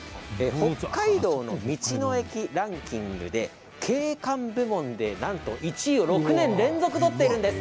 北海道の道の駅ランキングで景観部門で、なんと１位を６年連続、取っているんです。